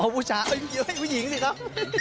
อ๋อผู้ชายเอ้ยผู้หญิงสิครับ